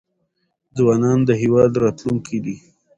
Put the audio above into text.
ځوانان د هیواد راتلونکی دی.